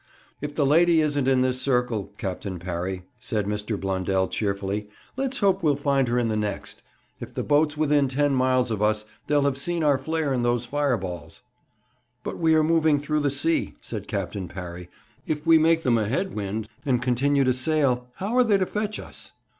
'If the lady isn't in this circle, Captain Parry,' said Mr. Blundell cheerfully, 'let's hope we'll find her in the next. If the boat's within ten miles of us they'll have seen our flare and those fireballs.' 'But we are moving through the sea,' said Captain Parry. 'If we make them a head wind, and continue to sail, how are they to fetch us?'